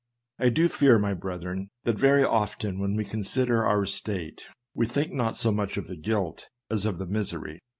I do fear, my brethren, that very often when we consider our state, we think not so much of the guilt as of the misery.